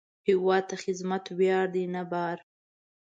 هیواد ته خدمت ویاړ دی، نه بار